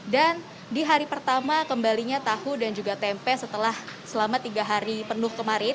dan di hari pertama kembalinya tahu dan juga tempe setelah selama tiga hari penuh kemarin